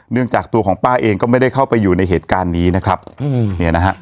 จากตัวของป้าเองก็ไม่ได้เข้าไปอยู่ในเหตุการณ์นี้นะครับเนี่ยนะฮะ